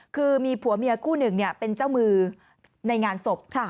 คือมีผัวเมียคู่หนึ่งเป็นเจ้ามือในงานศพ